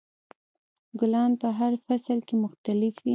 ګلان په هر فصل کې مختلف وي.